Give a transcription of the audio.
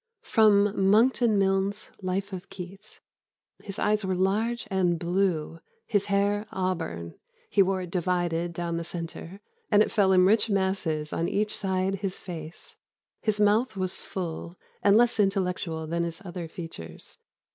[Sidenote: Monckton Milnes's Life of Keats.] "His eyes were large and blue, his hair auburn, he wore it divided down the centre, and it fell in rich masses on each side his face, his mouth was full, and less intellectual than his other features.